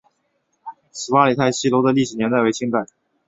十八里汰戏楼的历史年代为清代。